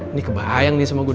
ini kebayang nih sama gue